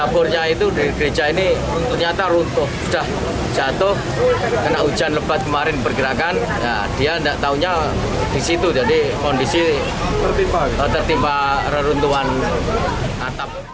petugas yang menduga runtuhnya disitu jadi kondisi tertimpa reruntuhan atap